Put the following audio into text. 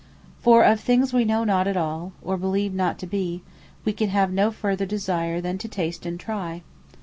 For of things wee know not at all, or believe not to be, we can have no further Desire, than to tast and try.